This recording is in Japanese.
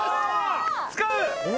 使う？